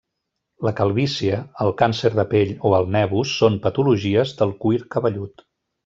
La calvície, el càncer de pell o el nevus són patologies del cuir cabellut.